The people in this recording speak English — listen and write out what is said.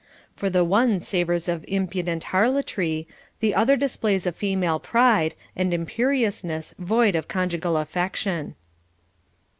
For the one savors of impudent harlotry, the other displays a fe male pride and imperiousness void of conjugal affection.